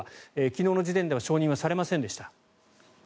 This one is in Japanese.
昨日の時点では承認はされませんでした。